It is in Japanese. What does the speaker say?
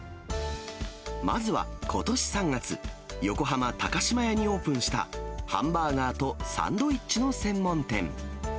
まずはことし３月、横浜高島屋にオープンした、ハンバーガーとサンドイッチの専門店。